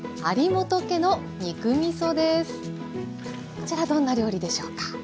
こちらどんな料理でしょうか？